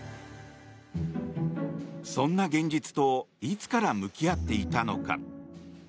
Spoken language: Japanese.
そんな現実といつから向き合っていたのか。